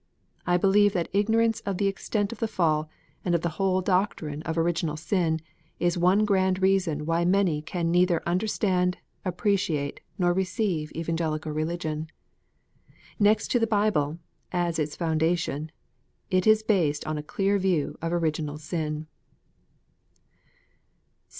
I believe that igno rance of the extent of the fall, and of the whole doctrine of original sin, is one grand reason why many can neither under stand, appreciate, nor receive Evangelical Religion. Next to the Bible, as its foundation, it is based on a clear view of original sin.